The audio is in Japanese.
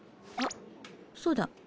あそうだ。